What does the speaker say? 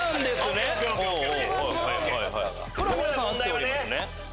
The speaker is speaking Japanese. これは皆さん合っておりますね。